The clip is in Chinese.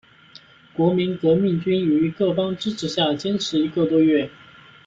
国民革命军于各方支持下坚持一个多月。